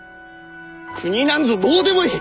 国なんぞどうでもいい！